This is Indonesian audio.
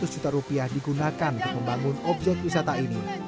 seratus juta rupiah digunakan untuk membangun objek wisata ini